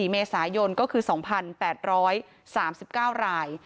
๔เมษายนก็คือ๒๘๓๙ราย